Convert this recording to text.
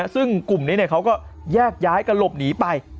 ซึ่งกลุ่มนี้เขาก็แยกย้ายกันหลบหนีไป